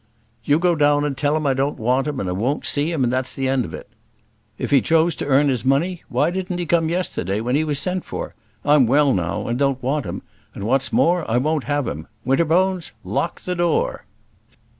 "You go down and tell him I don't want him, and won't see him, and that's an end of it. If he chose to earn his money, why didn't he come yesterday when he was sent for? I'm well now, and don't want him; and what's more, I won't have him. Winterbones, lock the door."